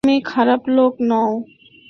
তুমি খারাপ লোক নও।